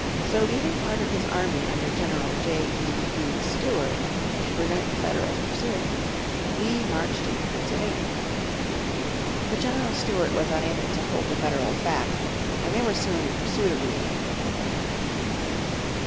So leaving part of his army under General J. E. B. Stuart to prevent the Federals pursuing him Lee marched into Pennsylvania. But General Stuart was unable to hold the Federals back, and they were soon in pursuit of Lee.